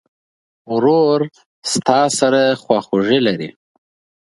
ورور له تا سره خواخوږي لري.